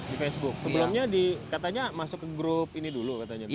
sebelumnya katanya masuk ke grup ini dulu katanya